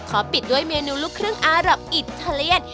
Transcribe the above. ขอปิดด้วยเมนูลูกครึ่งอารับอิทาเลียน